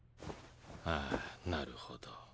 ああなるほど。